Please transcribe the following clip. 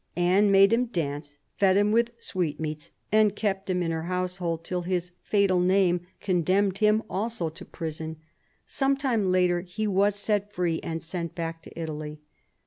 Anne made him dance, ted him with sweetmeats, and kept him in her household till his fatal name condemned him also to prison. Some time later, he was set free and sent back to Italy.